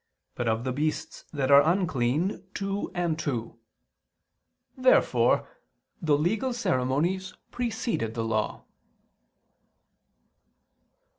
. but of the beasts that are unclean, two and two." Therefore the legal ceremonies preceded the Law.